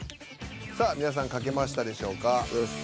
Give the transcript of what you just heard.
さあ皆さん書けましたでしょうか？